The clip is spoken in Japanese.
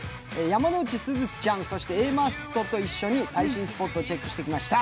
山之内すずちゃん、そしてＡマッソと一緒に最新スポットをチェックしてきました。